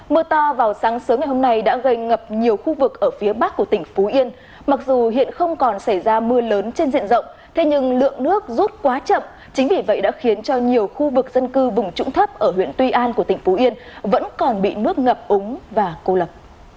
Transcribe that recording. mưa to vào sáng sớm ngày hôm nay đã gây ngập nhiều khu vực ở phía bắc của tỉnh phú yên mặc dù hiện không còn xảy ra mưa lớn trên diện rộng thế nhưng lượng nước rút quá chậm chính vì vậy đã khiến cho nhiều khu vực dân cư vùng trũng thấp ở huyện tuy an của tỉnh phú yên vẫn còn bị nước ngập úng và cô lập